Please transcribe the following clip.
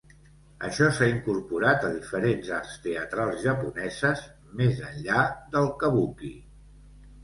Això s'ha incorporat a diferents arts teatrals japoneses més enllà del kabuki.